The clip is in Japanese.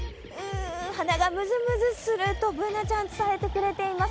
鼻がムズムズするとＢｏｏｎａちゃん伝えてくれています。